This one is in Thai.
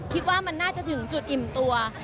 คิดว่ามันน่าจะถึงจุดอิ่มตัว